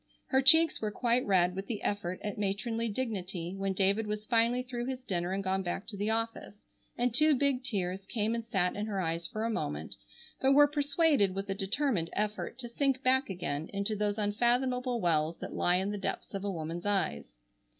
Her cheeks were quite red with the effort at matronly dignity when David was finally through his dinner and gone back to the office, and two big tears came and sat in her eyes for a moment, but were persuaded with a determined effort to sink back again into those unfathomable wells that lie in the depths of a woman's eyes.